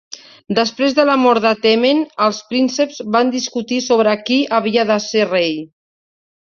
Després de la mort de Temen, els prínceps van discutir sobre qui havia de ser rei.